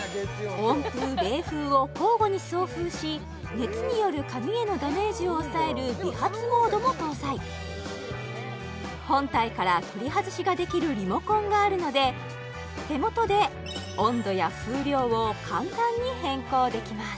熱による髪へのダメージを抑える美髪モードも搭載本体から取り外しができるリモコンがあるので手元で温度や風量を簡単に変更できます